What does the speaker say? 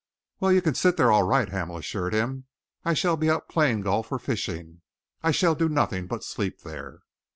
"Well, you can sit there all right," Hamel assured him. "I shall be out playing golf or fishing. I shall do nothing but sleep there."